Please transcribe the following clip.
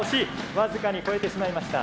僅かに越えてしまいました。